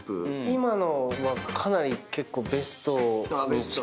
今のはかなり結構ベストに近い。